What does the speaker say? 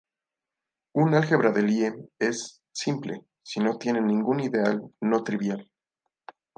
Un álgebra de Lie es "simple" si no tiene ningún ideal no trivial.